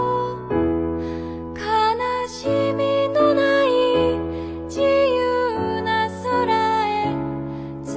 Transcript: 「悲しみのない自由な空へ」